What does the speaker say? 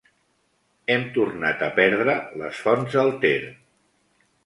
Hem tornat a perdre les fonts del Ter.